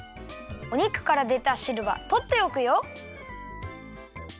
お肉からでたしるはとっておくよ。